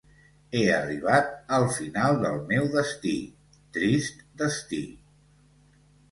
He arribat al final del meu destí, trist destí!